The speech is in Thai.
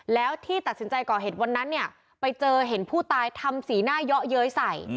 แล้วที่ตัดสินใจก่อเหตุวันนั้นเนี่ยไปเจอเห็นผู้ตายทำสีหน้าเยาะเย้ยใส่